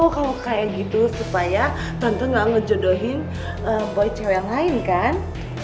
kalau kayak gitu supaya tentu gak ngejodohin boy cewek yang lain kan